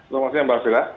selamat siang mbak fira